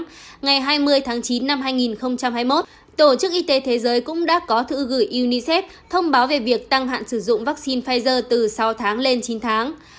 ngày hai mươi tháng chín năm hai nghìn hai mươi một tổ chức y tế thế giới cũng đã có thư gửi unicef thông báo về việc tăng hạn sử dụng vaccine pfizer từ sáu tháng lên chín tháng